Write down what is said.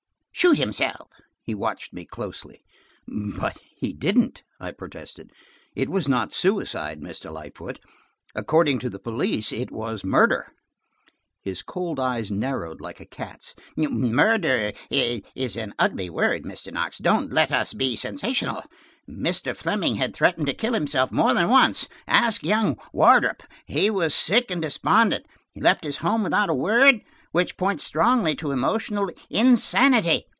"Shoot himself." He watched me closely. "But he didn't," I protested. "It was not suicide, Mr. Lightfoot. According to the police, it was murder." His cold eyes narrowed like a cat's. "Murder is an ugly word, Mr. Knox. Don't let us be sensational. Mr. Fleming had threatened to kill himself more than once; ask young Wardrop. He was sick and despondent; he left his home without a word, which points strongly to emotional insanity.